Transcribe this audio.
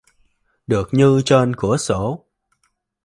Được như trên cửa sổ